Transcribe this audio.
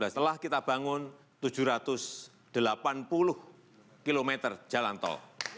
setelah kita bangun tujuh ratus delapan puluh km jalan tol